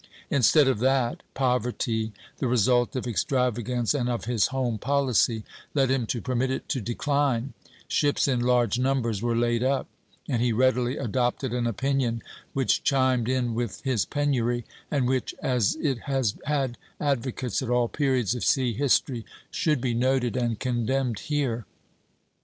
Instead of that, poverty, the result of extravagance and of his home policy, led him to permit it to decline; ships in large numbers were laid up; and he readily adopted an opinion which chimed in with his penury, and which, as it has had advocates at all periods of sea history, should be noted and condemned here.